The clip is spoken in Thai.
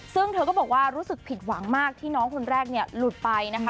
ซึ่งเธอก็บอกว่ารู้สึกผิดหวังมากที่น้องคนแรกเนี่ยหลุดไปนะคะ